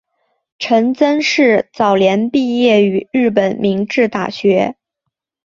陈曾栻早年毕业于日本明治大学。